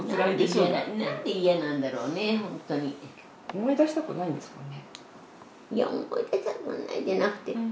思い出したくないんですかね？